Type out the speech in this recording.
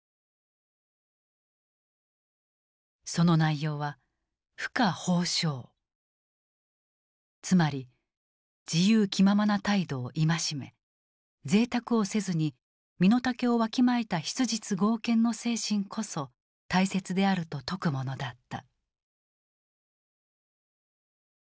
その内容は「浮華放縦」つまり自由気ままな態度を戒めぜいたくをせずに身の丈をわきまえた「質実剛健」の精神こそ大切であると説くものだった。